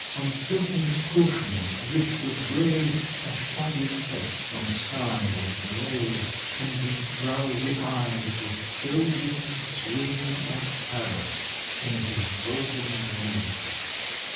On silken cushion, rich with braid, A shaggy pet from Skye was laid, And, drowsy eyed, would dosing swing A parrot in his golden ring.